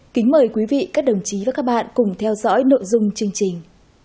kính mời quý vị các đồng chí và các bạn cùng theo dõi nội dung chương trình